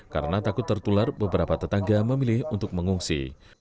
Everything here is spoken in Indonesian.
karena takut tertular beberapa tetangga memilih untuk mengungsi